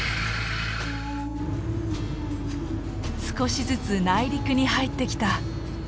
少しずつ内陸に入ってきた。